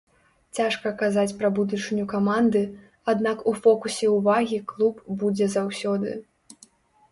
Цяжка казаць пра будучыню каманды, аднак у фокусе ўвагі клуб будзе заўсёды.